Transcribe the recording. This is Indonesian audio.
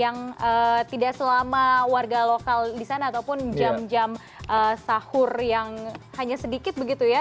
yang tidak selama warga lokal di sana ataupun jam jam sahur yang hanya sedikit begitu ya